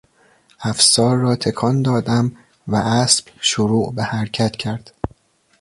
افسار را تکان دادم و اسب شروع به حرکت کرد.